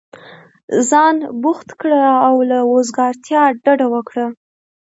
ځان بوخت كړه او له وزګارتیا ډډه وكره!